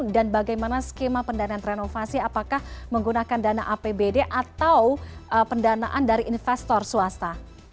dan bagaimana skema pendanaan renovasi apakah menggunakan dana apbd atau pendanaan dari investor swasta